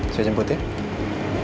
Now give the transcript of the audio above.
saya jemput ya